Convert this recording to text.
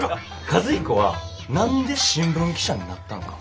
和彦は何で新聞記者になったのか。